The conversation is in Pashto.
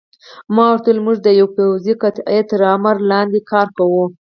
ما ورته وویل: موږ د یوې پوځي قطعې تر امر لاندې کار کوو.